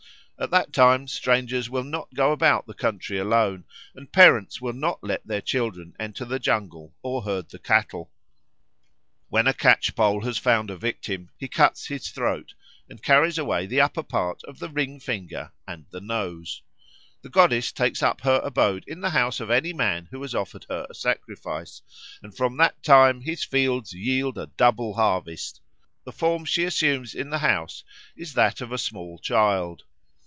At that time strangers will not go about the country alone, and parents will not let their children enter the jungle or herd the cattle. When a catchpole has found a victim, he cuts his throat and carries away the upper part of the ring finger and the nose. The goddess takes up her abode in the house of any man who has offered her a sacrifice, and from that time his fields yield a double harvest. The form she assumes in the house is that of a small child.